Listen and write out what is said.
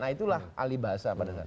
nah itulah alih bahasa pada saat